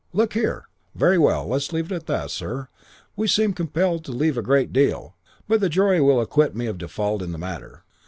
"'Look here ' "'Very well. Let us leave that, sir. We seem to be compelled to leave a great deal, but the jury will acquit me of fault in the matter.